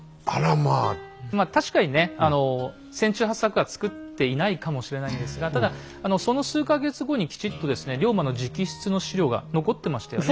まあ確かにね船中八策は作っていないかもしれないんですがただその数か月後にきちっとですね龍馬の直筆の史料が残ってましたよね。